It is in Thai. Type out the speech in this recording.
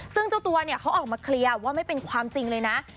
ซึ่งเจ้าตัวเนี่ยเขาออกมาเคลียร์ว่าไม่เป็นความจริงเลยนะ